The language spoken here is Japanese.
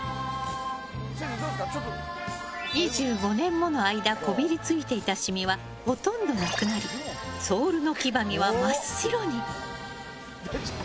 ２５年もの間こびりついていたシミはほとんどなくなりソールの黄ばみは真っ白に。